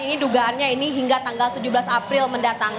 ini dugaannya ini hingga tanggal tujuh belas april mendatang